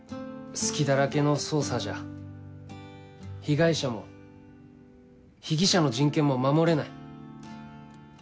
隙だらけの捜査じゃ被害者も被疑者の人権も守れない。